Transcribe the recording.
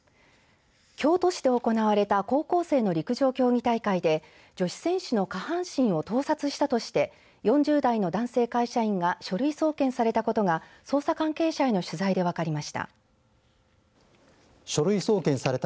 京都市で行われた高校生の陸上競技大会で女子選手の下半身を盗撮したとして４０代の男性会社員が書類送検されたことが捜査関係者への取材で分かりました。